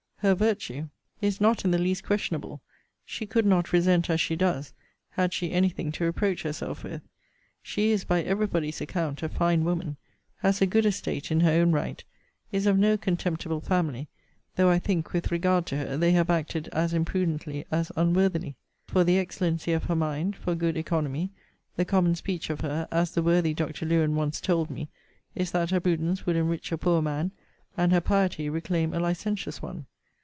Her virtue is not in the least questionable. She could not resent as she does, had she any thing to reproach herself with. She is, by every body's account, a fine woman; has a good estate in her own right; is of no contemptible family; though I think, with regard to her, they have acted as imprudently as unworthily. For the excellency of her mind, for good economy, the common speech of her, as the worthy Dr. Lewen once told me, is that her prudence would enrich a poor man, and her piety reclaim a licentious one.